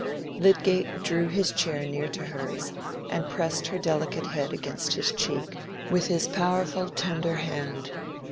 Lydgate drew his chair near to hers and pressed her delicate head against his cheek with his powerful tender hand.